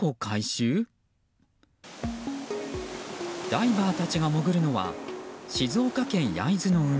ダイバーたちが潜るのは静岡県焼津の海。